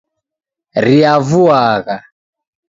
Riavuagha